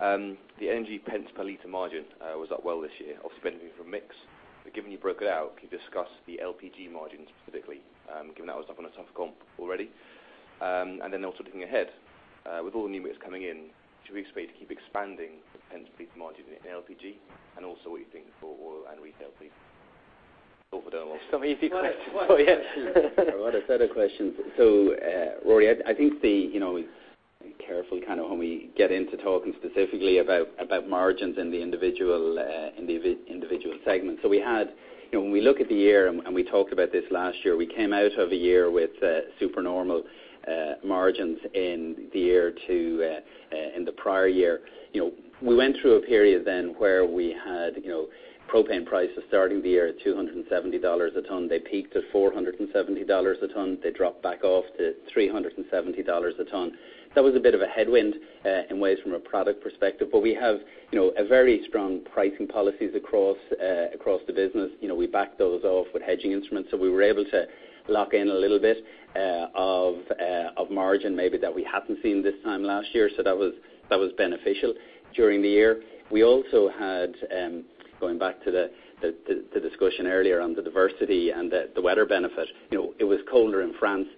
K: The energy pence per liter margin was up well this year, obviously benefiting from mix. Given you broke it out, can you discuss the LPG margins specifically? Given that was up on a tough comp already. Also looking ahead, with all the new mix coming in, should we expect to keep expanding pence per liter margin in LPG? Also what do you think for oil and retail please?
B: Over to them.
E: Some easy questions. What a set of questions. Rory, be careful when we get into talking specifically about margins in the individual segments. When we look at the year, and we talked about this last year, we came out of a year with supernormal margins in the prior year. We went through a period then where we had propane prices starting the year at $270 a ton. They peaked at $470 a ton. They dropped back off to $370 a ton. That was a bit of a headwind, in ways, from a product perspective. We have very strong pricing policies across the business. We backed those off with hedging instruments, we were able to lock in a little bit of margin maybe that we hadn't seen this time last year. That was beneficial during the year. We also had, going back to the discussion earlier on the diversity and the weather benefit, it was colder in France,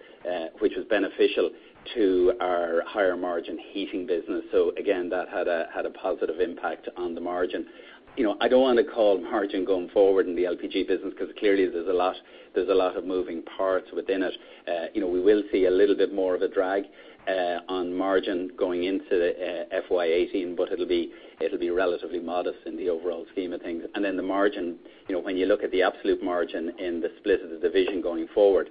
E: which was beneficial to our higher-margin heating business. Again, that had a positive impact on the margin. I don't want to call margin going forward in the LPG business because clearly there's a lot of moving parts within it. We will see a little bit more of a drag on margin going into FY '18, but it'll be relatively modest in the overall scheme of things. Then the margin, when you look at the absolute margin in the split of the division going forward,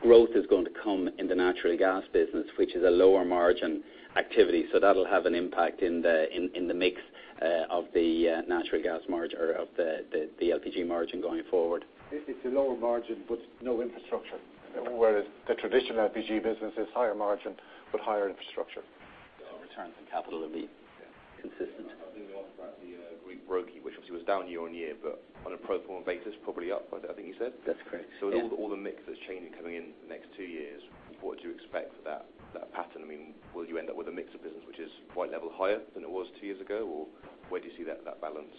E: growth is going to come in the natural gas business, which is a lower margin activity. That'll have an impact in the mix of the LPG margin going forward.
B: This is a lower margin, but no infrastructure. Whereas the traditional LPG business is higher margin, but higher infrastructure.
E: Returns on capital will be consistent.
K: I think you asked about the retail, which obviously was down year-on-year, but on a pro forma basis, probably up, I think you said?
L: That's correct, yeah.
K: With all the mix that's changing coming into the next two years, what do you expect for that pattern? Will you end up with a mix of business which is point level higher than it was two years ago? Where do you see that balance?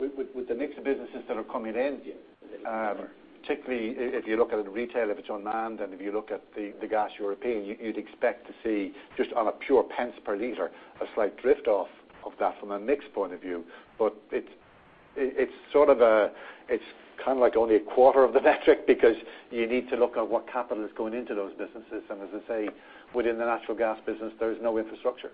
B: With the mix of businesses that are coming in.
K: Yes. A little bit clearer
B: particularly if you look at it in retail, if it's on land, and if you look at the Gaz Européen, you'd expect to see, just on a pure GBP pence per liter, a slight drift off of that from a mix point of view. It's kind of like only a quarter of the metric because you need to look at what capital is going into those businesses. As I say, within the natural gas business, there is no infrastructure.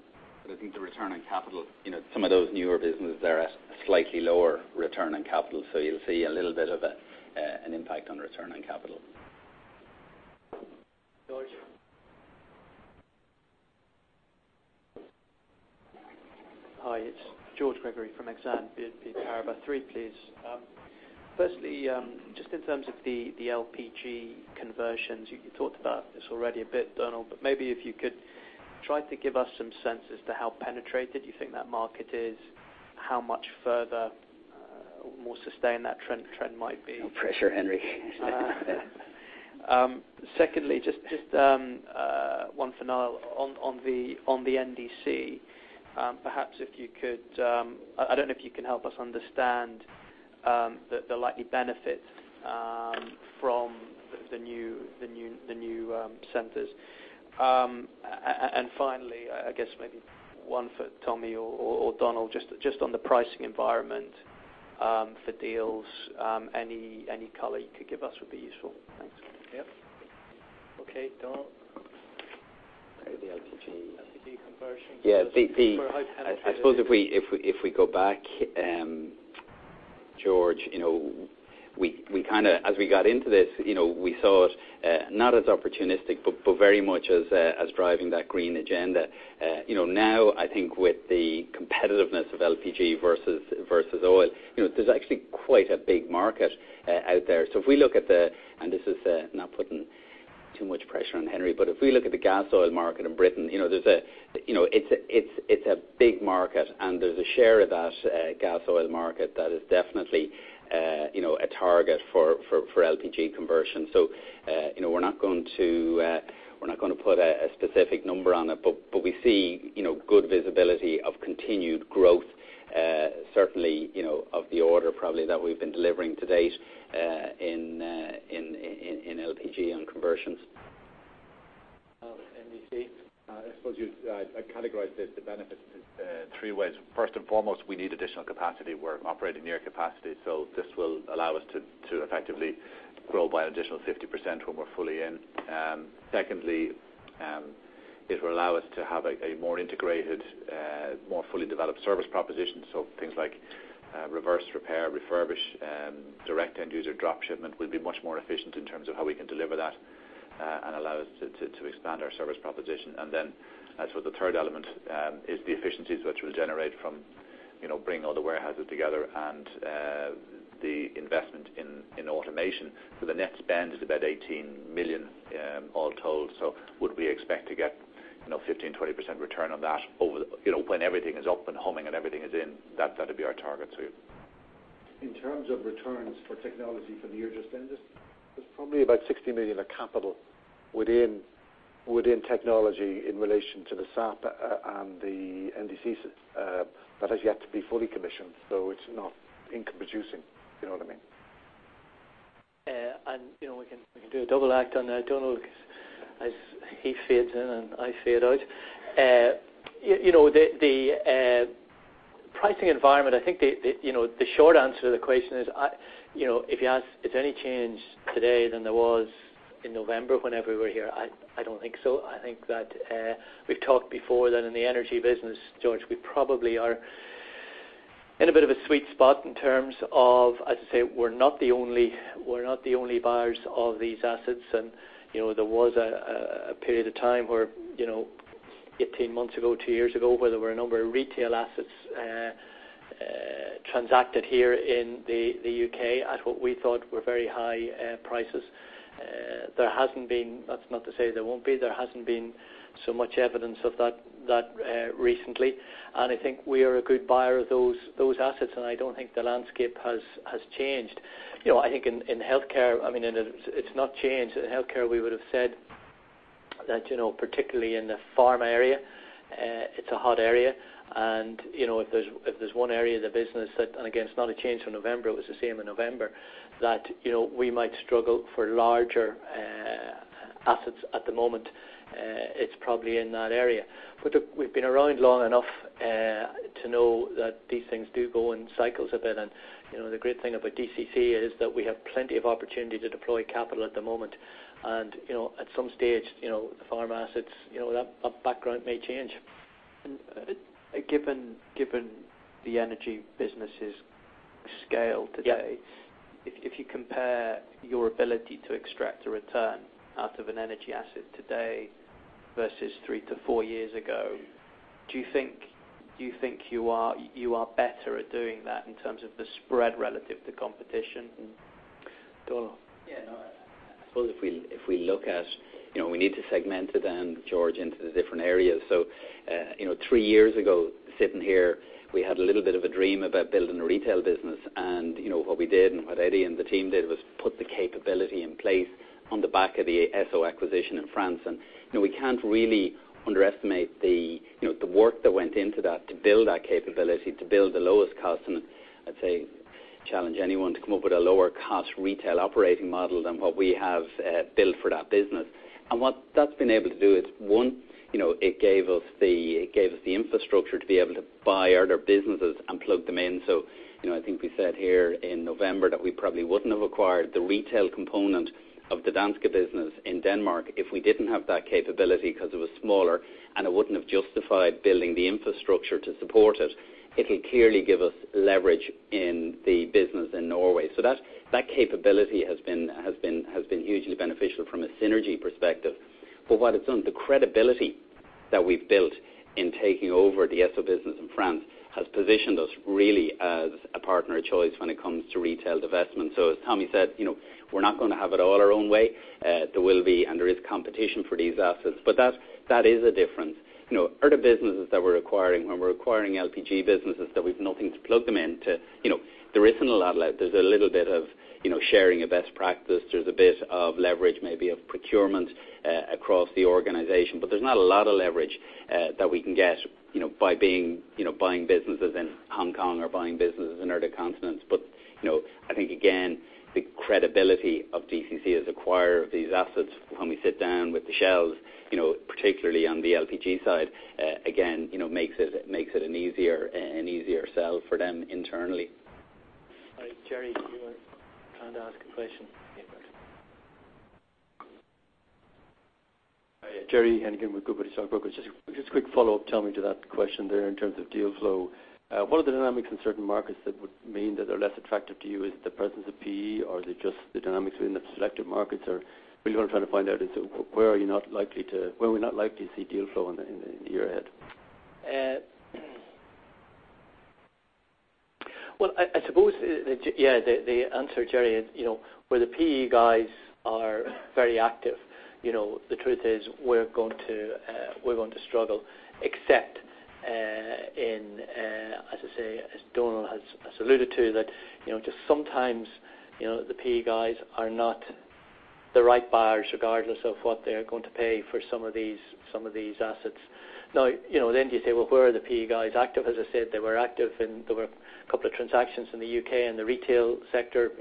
E: I think the return on capital, some of those newer businesses there are at a slightly lower return on capital. You'll see a little bit of an impact on return on capital.
A: George.
M: Hi, it's George Gregory from Exane BNP Paribas. Three, please. Firstly, just in terms of the LPG conversions, you talked about this already a bit, Donal, maybe if you could try to give us some sense as to how penetrated you think that market is, how much further, more sustained that trend might be.
E: No pressure, Henry.
M: Just one for Donal on the NDC. I don't know if you can help us understand the likely benefit from the new centers. Finally, I guess maybe one for Tommy or Donal, just on the pricing environment for deals. Any color you could give us would be useful. Thanks.
B: Yep. Okay. Donal.
E: The LPG-
B: LPG conversions.
E: Yeah. For high penetration.
B: I suppose if we go back, George, as we got into this, we saw it not as opportunistic, but very much as driving that green agenda. Now, I think with the competitiveness of LPG versus oil, there's actually quite a big market out there. This is not putting too much pressure on Henry, but if we look at the gas oil market in Britain, it's a big market, and there's a share of that gas oil market that is definitely a target for LPG conversion. We're not going to put a specific number on it, but we see good visibility of continued growth, certainly, of the order probably that we've been delivering to date in LPG on conversions. NDC.
H: I suppose I'd categorize the benefits three ways. First and foremost, we need additional capacity. We're operating near capacity, so this will allow us to effectively grow by an additional 50% when we're fully in. Secondly, it will allow us to have a more integrated, more fully developed service proposition. Things like reverse repair, refurbish, direct end user drop shipment will be much more efficient in terms of how we can deliver that and allow us to expand our service proposition. Then the third element is the efficiencies which we'll generate from bringing all the warehouses together and the investment in automation. The net spend is about 18 million all told. Would we expect to get 15%-20% return on that when everything is up and humming and everything is in, that'd be our target, so yeah.
B: In terms of returns for technology for the year just ended?
H: There's probably about 60 million of capital within technology in relation to the SAP and the NDCs that has yet to be fully commissioned. It's not income producing. You know what I mean?
A: We can do a double act on that, Donal, as he fades in and I fade out. The pricing environment, I think, the short answer to the question is, if you ask, is there any change today than there was in November whenever we were here? I don't think so. I think that we've talked before that in the energy business, George, we probably are in a bit of a sweet spot in terms of, as I say, we're not the only buyers of these assets. There was a period of time where, 18 months ago, 2 years ago, where there were a number of retail assets transacted here in the U.K. at what we thought were very high prices. That's not to say there won't be, there hasn't been so much evidence of that recently. I think we are a good buyer of those assets, and I don't think the landscape has changed. I think in healthcare, it's not changed. In healthcare, we would've said that, particularly in the pharma area, it's a hot area. If there's one area of the business that, again, it's not a change from November, it was the same in November, that we might struggle for larger assets at the moment. It's probably in that area. Look, we've been around long enough to know that these things do go in cycles a bit. The great thing about DCC is that we have plenty of opportunity to deploy capital at the moment. At some stage, the pharma assets, that background may change.
M: Given the energy business' scale today.
A: Yeah
M: If you compare your ability to extract a return out of an energy asset today versus three to four years ago, do you think you are better at doing that in terms of the spread relative to competition?
A: Donal?
E: Yeah. I suppose if we look at, we need to segment it then, George, into the different areas. Three years ago, sitting here, we had a little bit of a dream about building a retail business. What we did, and what Eddie and the team did, was put the capability in place on the back of the Esso acquisition in France. We can't really underestimate the work that went into that to build that capability, to build the lowest cost. I'd say, challenge anyone to come up with a lower cost retail operating model than what we have built for that business. What that's been able to do is, one, it gave us the infrastructure to be able to buy other businesses and plug them in. I think we said here in November that we probably wouldn't have acquired the retail component of the Dansk business in Denmark if we didn't have that capability because it was smaller, and it wouldn't have justified building the infrastructure to support it. It'll clearly give us leverage in the business in Norway. That capability has been hugely beneficial from a synergy perspective. What it's done, the credibility that we've built in taking over the Esso business in France has positioned us really as a partner of choice when it comes to retail divestment. As Tommy said, we're not going to have it all our own way. There will be, and there is competition for these assets. That is a difference. Other businesses that we're acquiring, when we're acquiring LPG businesses that we've nothing to plug them into, there isn't a lot. There's a little bit of sharing of best practice. There's a bit of leverage, maybe of procurement, across the organization. There's not a lot of leverage that we can get by buying businesses in Hong Kong or buying businesses in other continents. I think, again, the credibility of DCC as acquirer of these assets when we sit down with the Shells, particularly on the LPG side, again, makes it an easier sell for them internally.
A: All right, Gerry, you were trying to ask a question. Okay.
N: Hiya. Gerry Heneghan with Goodbody Stockbrokers. Just a quick follow-up, Tommy, to that question there in terms of deal flow. What are the dynamics in certain markets that would mean that they're less attractive to you? Is it the presence of PE, or are they just the dynamics within the selective markets? Or really what I'm trying to find out is where are we not likely to see deal flow in the year ahead?
A: Well, I suppose, yeah, the answer, Gerry, where the PE guys are very active, the truth is we're going to struggle except in, as I say, as Donal has alluded to, that just sometimes the PE guys are not the right buyers regardless of what they're going to pay for some of these assets. Now, you say, "Well, where are the PE guys active?" As I said, they were active in, there were a couple of transactions in the U.K. and the retail sector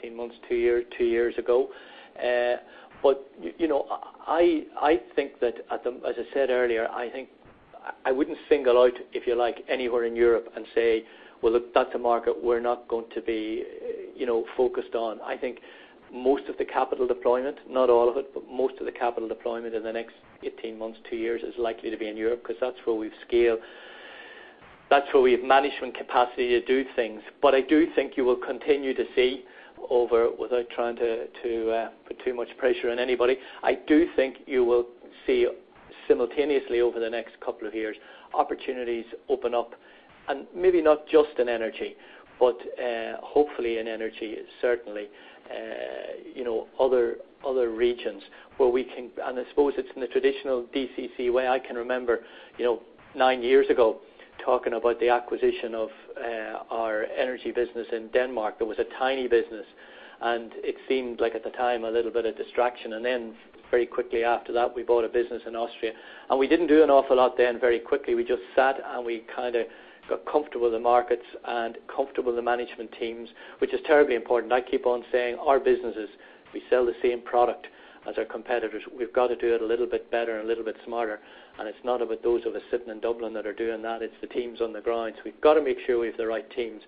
A: 18 months, two years ago. I think that, as I said earlier, I think I wouldn't single out, if you like, anywhere in Europe and say, "Well, look, that's a market we're not going to be focused on." I think most of the capital deployment, not all of it, but most of the capital deployment in the next 18 months, two years is likely to be in Europe because that's where we've scale. That's where we have management capacity to do things. I do think you will continue to see over, without trying to put too much pressure on anybody, I do think you will see simultaneously over the next couple of years, opportunities open up, and maybe not just in energy, but hopefully in energy certainly, other regions where we can. I suppose it's in the traditional DCC way. I can remember, nine years ago, talking about the acquisition of our energy business in Denmark. There was a tiny business, and it seemed like, at the time, a little bit of distraction. Then very quickly after that, we bought a business in Austria. We didn't do an awful lot then very quickly. We just sat, and we kind of got comfortable with the markets and comfortable with the management teams, which is terribly important. I keep on saying our businesses, we sell the same product as our competitors. We've got to do it a little bit better and a little bit smarter. It's not about those of us sitting in Dublin that are doing that. It's the teams on the ground. We've got to make sure we have the right teams.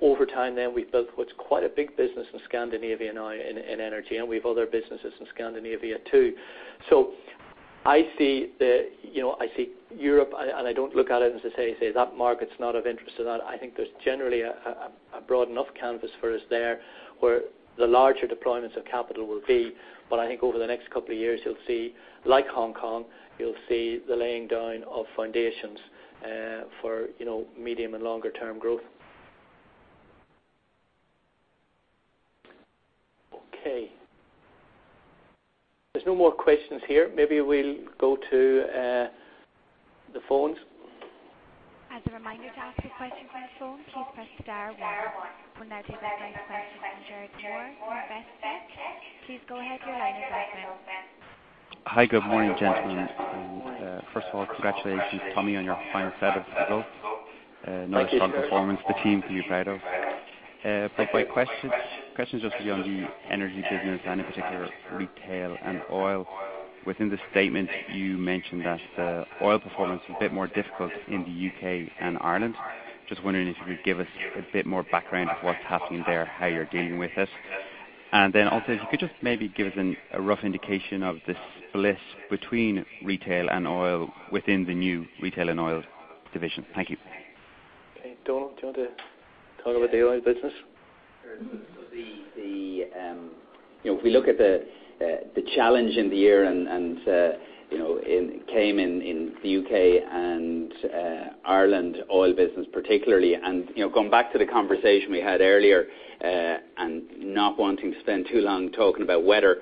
A: Over time then, we've built what's quite a big business in Scandinavia now in energy, and we've other businesses in Scandinavia, too. I see Europe, and I don't look at it and say, "That market's not of interest to that." I think there's generally a broad enough canvas for us there where the larger deployments of capital will be. I think over the next couple of years, you'll see, like Hong Kong, the laying down of foundations for medium and longer-term growth. Okay. There's no more questions here. Maybe we'll go to the phones.
C: As a reminder to ask a question from the phone, please press star one. We'll now take our next question from Gerard Moore from Investec. Please go ahead, your line is open.
O: Hi. Good morning, gentlemen. First of all, congratulations, Tommy, on your final set of results.
A: Thank you.
O: Another strong performance the team can be proud of. My question is just on the DCC Energy business and in particular, Retail & Oil. Within the statement you mentioned that the oil performance was a bit more difficult in the U.K. and Ireland. Just wondering if you could give us a bit more background of what's happening there, how you're dealing with it. Then also if you could just maybe give us a rough indication of the split between Retail & Oil within the new Retail & Oil division. Thank you.
A: Okay. Donal, do you want to talk about the oil business?
E: Sure. If we look at the challenge in the year, it came in the U.K. and Ireland oil business particularly. Going back to the conversation we had earlier, not wanting to spend too long talking about weather,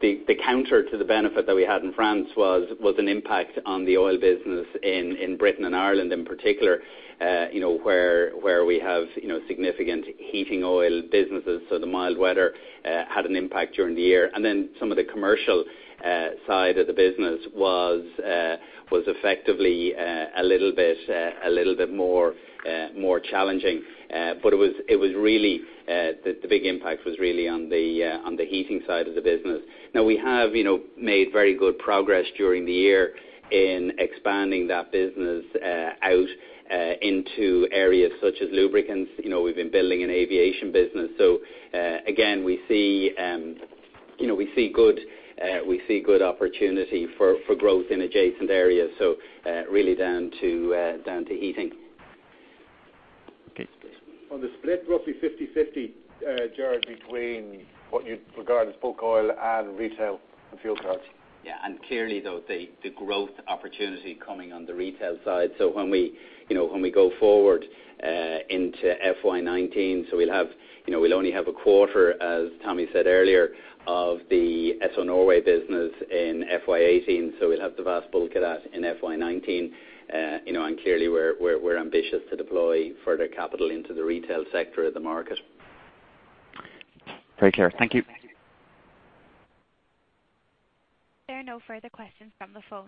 E: the counter to the benefit that we had in France was an impact on the oil business in the U.K. and Ireland in particular, where we have significant heating oil businesses. The mild weather had an impact during the year. Then some of the commercial side of the business was effectively a little bit more challenging. The big impact was really on the heating side of the business. Now we have made very good progress during the year in expanding that business out into areas such as lubricants. We've been building an aviation business. Again, we see good opportunity for growth in adjacent areas, so really down to heating.
O: Okay.
A: On the split, roughly 50/50, Gerard, between what you'd regard as bulk oil and retail and fuel cards.
E: Clearly though, the growth opportunity coming on the retail side. When we go forward into FY 2019, we'll only have a quarter, as Tommy said earlier, of the Esso Norway business in FY 2018. We'll have the vast bulk of that in FY 2019. Clearly we're ambitious to deploy further capital into the retail sector of the market.
O: Very clear. Thank you.
C: There are no further questions from the phone.